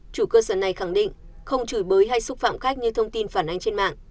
chủ cơ sở này khẳng định không chửi bới hay xúc phạm khách như thông tin phản ánh trên mạng